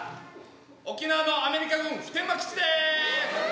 沖縄のアメリカ軍普天間基地でーす。